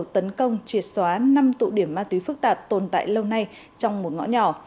tấn công triệt xóa năm tụ điểm ma túy phức tạp tồn tại lâu nay trong một ngõ nhỏ